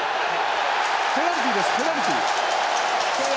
ペナルティーですペナルティー。